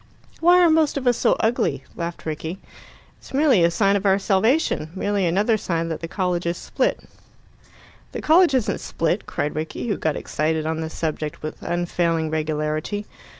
"Why are most of us so ugly?" laughed Rickie. "It's merely a sign of our salvation merely another sign that the college is split." "The college isn't split," cried Rickie, who got excited on this subject with unfailing regularity.